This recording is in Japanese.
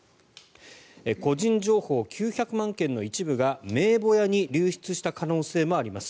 個人情報９００万件の一部が名簿屋に流出した可能性もあります。